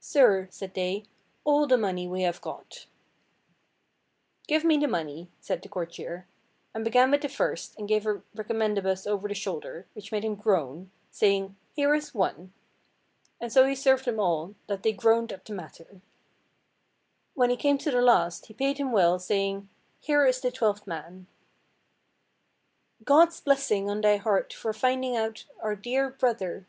"Sir," said they, "all the money we have got." "Give me the money," said the courtier; and began with the first, and gave a recommendibus over the shoulders, which made him groan, saying, "Here is one;" and so he served them all, that they groaned at the matter. When he came to the last, he paid him well, saying— "Here is the twelfth man." "God's blessing on thy heart for finding out our dear brother."